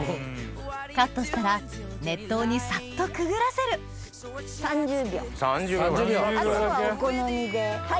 カットしたら熱湯にサッとくぐらせる３０秒ぐらい。